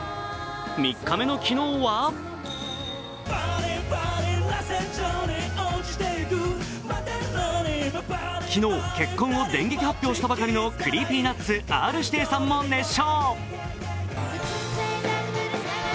３日目の昨日は昨日結婚を電撃発表したばかりのＣｒｅｅｐｙＮｕｔｓ・Ｒ−指定さんも熱唱。